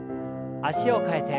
脚を替えて。